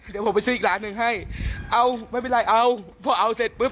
เดี๋ยวผมไปซื้ออีกล้านหนึ่งให้เอาไม่เป็นไรเอาพอเอาเสร็จปุ๊บ